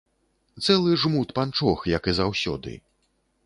Цэлы жмут панчох, як і заўсёды.